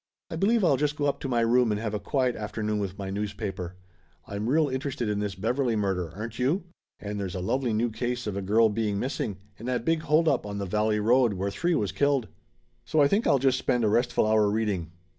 "I believe I'll just go up to my room and have a quiet afternoon with my news paper. I'm real interested in this Beverly murder, aren't you? And there's a lovely new case of a girl being missing, and that big hold up on the Valley Road, where three was killed. So I think I'll just spend a restful hour reading.